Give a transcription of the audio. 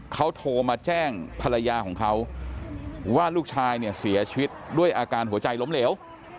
เขาโทรมาแจ้งภรรยาของเขาว่าลูกชายเนี่ยเสียชีวิตด้วยอาการหัวใจล้มเหลว